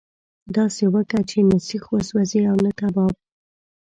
داسي وکه چې نه سيخ وسوځي نه کباب.